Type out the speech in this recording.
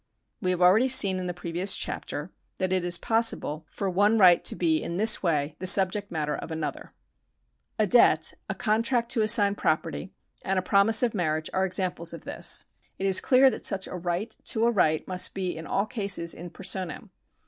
We have already seen, in the previous chapter, that it is possible for ne right to be in this way the subject matter of another. § 81] THE KINDS OF LEGAL RIGHTS 207 A debt, a contract to assign property, and a promise of mar riage are examples of tliis. It is clear that such a right to a right must be in all cases in personam.